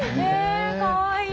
えかわいい！